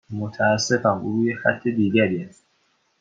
متاسفم، او روی خط دیگری است.